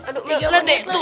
aduh mel liat deh